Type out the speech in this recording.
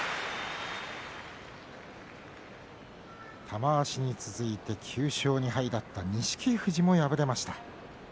玉鷲に続いて９勝２敗だった錦富士も敗れました。